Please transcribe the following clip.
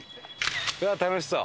うわっ楽しそう！